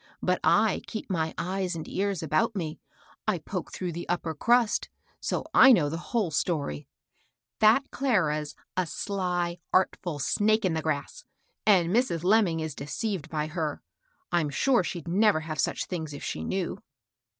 But I keep my eyes and ears about me ; I poke through the upper crust ; so I know the whole story. That Clara's a sly, art ful, snake in the grass, and Mrs. Lemming is de HILDA. 35 ceived by her. Fm sure she'd never have such things if she knew."